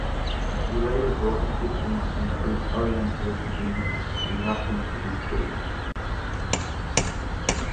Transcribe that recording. He later broadened his themes to include Orientalist scenes and Russian cityscapes.